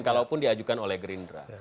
kalaupun diajukan oleh gerindra